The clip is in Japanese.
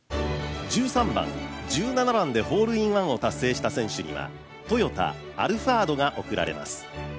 １３番・１７番でホールインワンを達成した選手にはトヨタ、アルファードが贈られます。